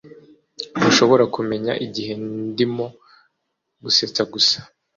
Ntushobora kumenya igihe ndimo gusetsa gusa